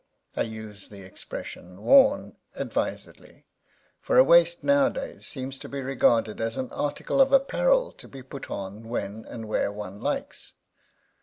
I use the expression “worn” advisedly, for a waist nowadays seems to be regarded as an article of apparel to be put on when and where one likes.